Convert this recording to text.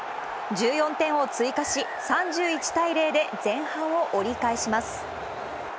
１４点を追加し、３１対０で前半を折り返します。